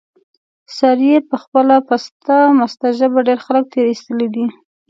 سارې په خپله پسته مسته ژبه، ډېر خلک تېر ایستلي دي.